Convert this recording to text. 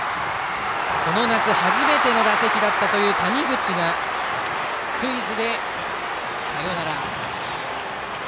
この夏初めての打席だったという谷口がスクイズでサヨナラ。